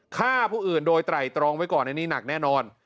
ฆ่าผู้อื่นโดยไตรตรองไว้ก่อนอันนี้หนักแน่นอน